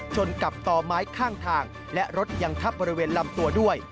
ชนกับต่อไม้ข้างทางและรถยังทับบริเวณลำตัวด้วย